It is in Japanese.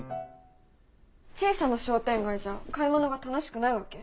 小さな商店街じゃ買い物が楽しくないわけ？